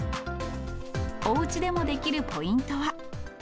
おうちでもできるポイントは。